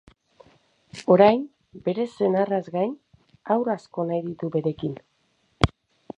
Orain bere senarraz gain, haur asko nahi ditu berekin.